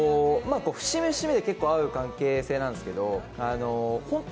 節目節目で会う関係性なんですけど本当